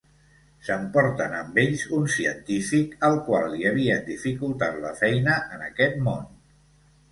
S'emporten amb ells un científic al qual li havien dificultat la feina en aquest món.